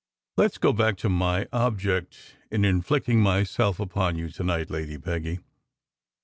"Let s go back to my object in inflicting myself upon you to night, Lady Peggy.